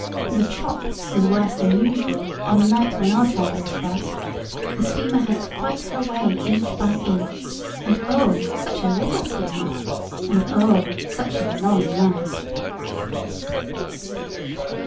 The "chop" was worse than usual on the night when our travellers crossed; the steamer had to fight her way inch by inch. And oh, such a little steamer! and oh, such a long night!